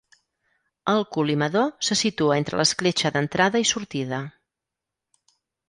El col·limador se situa entre l'escletxa d'entrada i sortida.